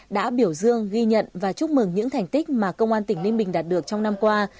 đã biểu dương ghi nhận và chúc mừng những thành tích mà công an tỉnh ninh bình đạt được trong năm qua